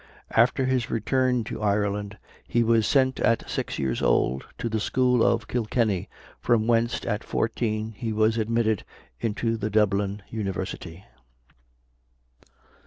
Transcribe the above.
After his return to Ireland he was sent at six years old to the school of Kilkenny, from whence at fourteen he was admitted into the Dublin University.